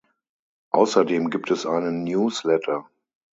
Außerdem gibt es einen Newsletter.